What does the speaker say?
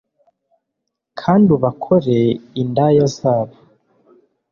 Kandi ubakore indaya zabo